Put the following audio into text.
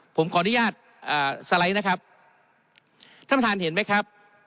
ผมขออนุญาตอ่าสไลด์นะครับท่านประธานเห็นไหมครับ